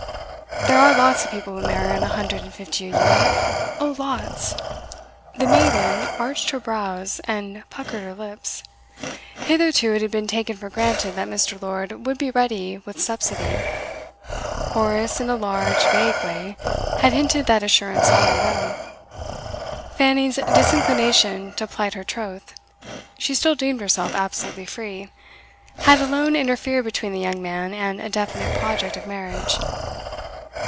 There are lots of people who marry on a hundred and fifty a year oh lots!' The maiden arched her brows, and puckered her lips. Hitherto it had been taken for granted that Mr. Lord would be ready with subsidy; Horace, in a large, vague way, had hinted that assurance long ago. Fanny's disinclination to plight her troth she still deemed herself absolutely free had alone interfered between the young man and a definite project of marriage.